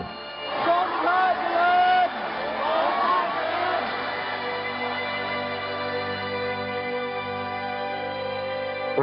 จนค่าเฉลิน